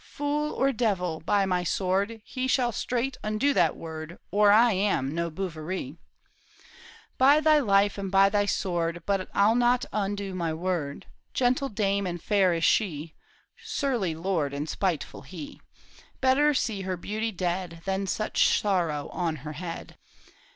Fool or devil, by my sword He shall straight undo that word, Or I am no Bouverie !"" By thy life and by thy sword But I'll not undo my word ! Gentle dame and fair is she. Surly lord and spiteful he ; Better see her beauty dead Than such sorrow on her head